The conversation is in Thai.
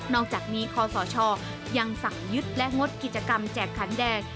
อกจากนี้คศยังสั่งยึดและงดกิจกรรมแจกขันแดง